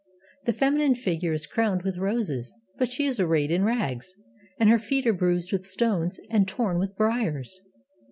The feminine figure is crowned with roses, but she is arrayed in rags, and her feet are bruised with stones and torn with briars.